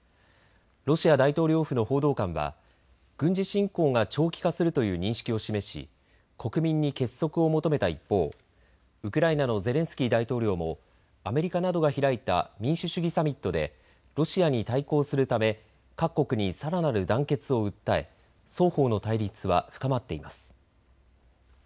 ロシア大統領府の報道官は軍事侵攻が長期化するという認識を示し国民に結束を求めた一方、ウクライナのゼレンスキー大統領もアメリカなどが開いた民主主義サミットでロシアに対抗するため各国にさらなる団結を訴え双方の対立は深まっています。